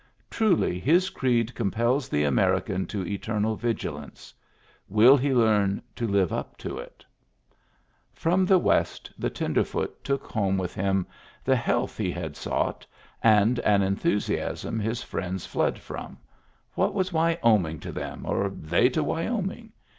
Truly his creed compels the American to eternal vigil ance ! Will he learn to live up to it ? From the West the tenderfoot took home with him the health he had sought, and an enthusiasm Digitized by VjOOQIC 14 PREFACE his friends fled from; what was Wyoming to them or they to Wyoming?